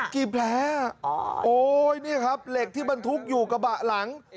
กินแพ้โอ๊ยนี่ครับเหล็กที่มันทุกข์อยู่กระบะหลัง